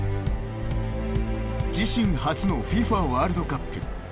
自身初のＦＩＦＡワールドカップ。